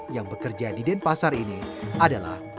yang bekerja di denpasar ini adalah keturunan dia